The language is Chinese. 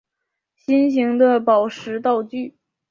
心形的宝石道具。